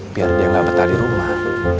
biar dia nggak betah di rumah